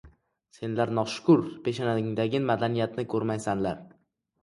Senlar noshukur: peshonangdagi madaniyatni ko‘rmaysanlar…